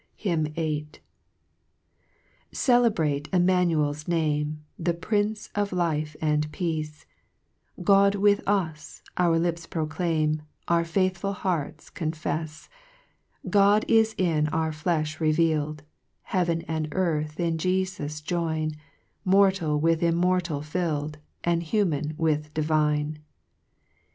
HYMN VIII. 1 f~1 ELBBRATE Immanucl's Name, \*J The Prince of Life and Peace 1 God with us, our lips proclaim, Our faithful hearts confefs : God is in our flefli reveal'd, Jlcaven and earth in Jefus join, Mortal with Immortal fill'd, And human with divine